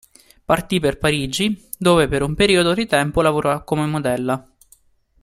Partì per Parigi, dove per un periodo di tempo lavorò come modella.